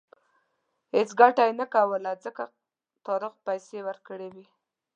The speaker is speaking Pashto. هېڅ ګټه یې نه کوله ځکه طارق پیسې ورکړې وې.